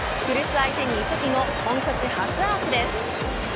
相手に移籍後本拠地初アーチです。